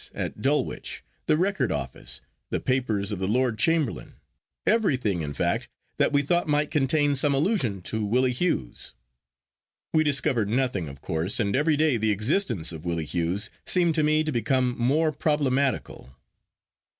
at Dulwich, the Record Office, the papers of the Lord Chamberlain—everything, in fact, that we thought might contain some allusion to Willie Hughes. We discovered nothing, of course, and every day the existence of Willie Hughes seemed to me to become more problematical.